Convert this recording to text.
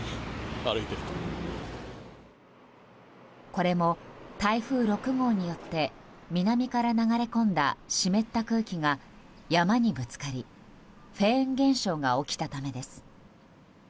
これも台風６号によって南から流れ込んだ湿った空気が山にぶつかりフェーン現象が起きたためです。